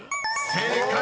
［正解！